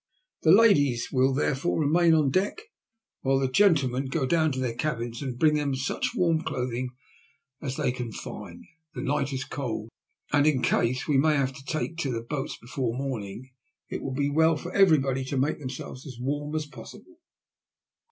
The ladies will therefore remain on deck, while the gentlemen go down to their cabins and bring them such warm clothing as they can find. The night is cold, and in case we may have to take to the boats before morning it will be well for everybody to make themselves as warm as possible."